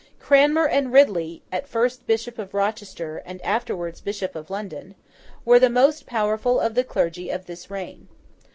Cranmer and Ridley (at first Bishop of Rochester, and afterwards Bishop of London) were the most powerful of the clergy of this reign.